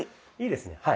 いいですね。